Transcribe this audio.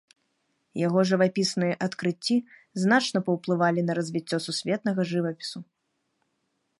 Яго жывапісныя адкрыцці значна паўплывалі на развіццё сусветнага жывапісу.